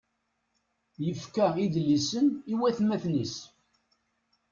Yefka idlisen i watmaten-is.